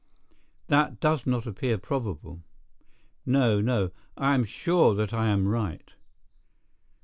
That does not appear probable. No, no, I am sure that I am right."